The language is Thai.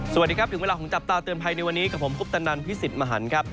สวัสดีครับถึงเวลาของจับตาเตือนภัยในวันนี้กับผมคุปตนันพิสิทธิ์มหันครับ